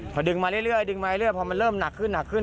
พอดึงมาเรื่อยดึงมาเรื่อยพอมันเริ่มหนักขึ้นหนักขึ้น